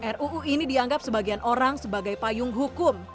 ruu ini dianggap sebagian orang sebagai payung hukum